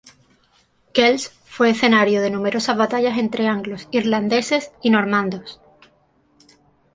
Kells fue escenario de numerosas batallas entre anglos, irlandeses y normandos.